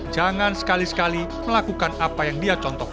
jangan sekali sekali melakukan apa yang dia contohkan